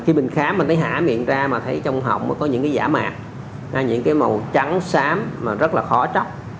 khi mình khám mình thấy hả miệng ra mà thấy trong hộng có những giả mạc những màu trắng sám mà rất là khó tróc